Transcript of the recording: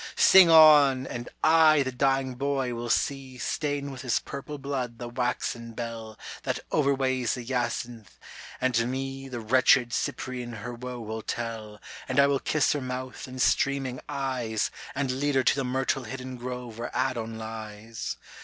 Sing on ! and I the dying boy will see Stain with his purple blood the waxen bell That overweighs the jacinth, and to me The wretched Cyprian her woe will tell, And I will kiss her mouth and streaming eyes, And lead her to the myrtle hidden grove where Adon lies!